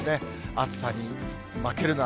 暑さに負けるな。